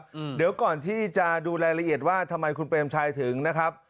อืมเดี๋ยวก่อนที่จะดูรายละเอียดว่าทำไมคุณเปรมชัยถึงนะครับ